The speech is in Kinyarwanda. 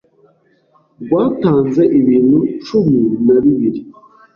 rwatanze ibintu cumi na bibiri